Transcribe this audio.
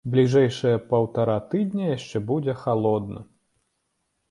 Бліжэйшыя паўтара тыдня яшчэ будзе халодна.